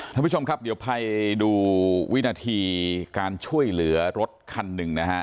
ท่านผู้ชมครับเดี๋ยวไปดูวินาทีการช่วยเหลือรถคันหนึ่งนะฮะ